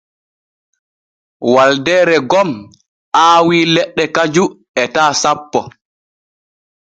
Waldeere gom aawii leɗɗe kaju etaa sanpo.